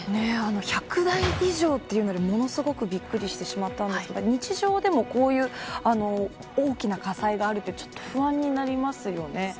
１００台以上というのがものすごくびっくりしてしまったんですが日常でもこういう大きな火災があるって不安になりますよね。